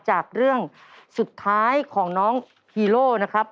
จากเรื่องสุดท้ายของน้องฮีโร่นะครับ